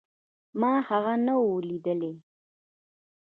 ما هغه نه و ليدلى.